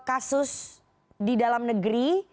kasus di dalam negeri